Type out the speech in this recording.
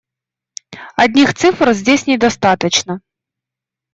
Одних цифр здесь недостаточно.